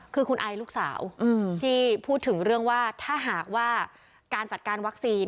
คือคุณไอลูกสาวที่พูดถึงเรื่องว่าถ้าหากว่าการจัดการวัคซีน